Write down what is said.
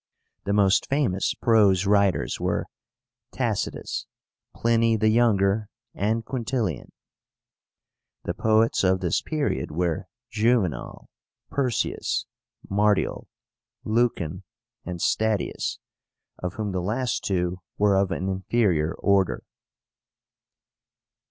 The most famous prose writers were TACITUS, PLINY THE YOUNGER, and QUINTILIAN. The poets of this period were JUVENAL, PERSIUS, MARTIAL, LUCAN, and STATIUS, of whom the last two were of an inferior order.